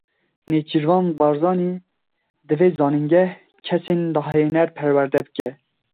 Nêçîrvan Barzanî; divê zanîngeh kesên dahêner perwerde bike.